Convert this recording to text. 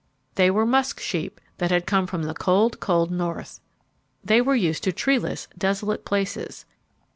They were musk sheep that had come from the cold, cold north. They were used to treeless, desolate places.